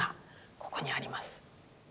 ここにあります。